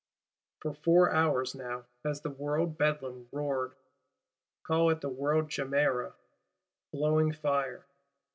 For four hours now has the World Bedlam roared: call it the World Chimaera, blowing fire!